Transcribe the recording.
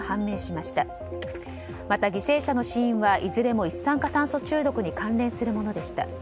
また犠牲者の死因はいずれも一酸化炭素中毒に関連するものでした。